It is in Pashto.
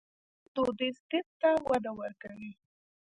دوی دودیز طب ته وده ورکوي.